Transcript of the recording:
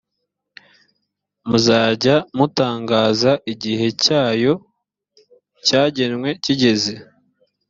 muzajya mutangaza igihe cyayo cyagenwe kigeze